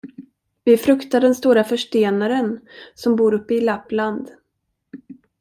Vi fruktar den stora förstenaren, som bor uppe i Lappland.